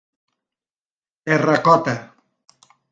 Terracota.